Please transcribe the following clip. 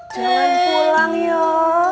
jangan pulang yuk